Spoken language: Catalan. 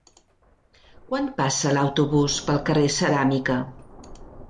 Quan passa l'autobús pel carrer Ceràmica?